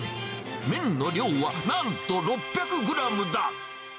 麺の量はなんと６００グラムだ。